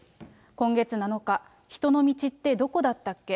今月７日、人の道ってどこだったっけ？